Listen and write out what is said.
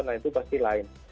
nah itu pasti lain